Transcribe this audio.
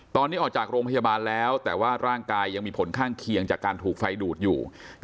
ตอนนี้ออกจากโรงพยาบาลแล้วแต่ว่าร่างกายยังมีผลข้างเคียงจากการถูกไฟดูดอยู่